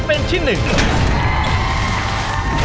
สวัสดีครับ